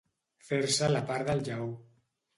Fer-se la part del lleó.